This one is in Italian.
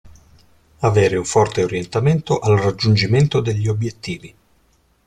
Avere un forte orientamento al raggiungimento degli obiettivi.